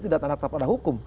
tidak tanda pada hukum